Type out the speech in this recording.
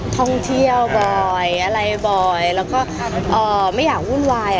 ท่องเที่ยวบ่อยอะไรบ่อยแล้วก็ไม่อยากวุ่นวาย